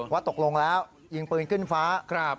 ว่าตกลงแล้วยิงปืนขึ้นฟ้า